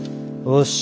よし。